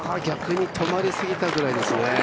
逆に止まりすぎたぐらいですね。